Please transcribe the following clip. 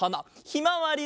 ひまわり！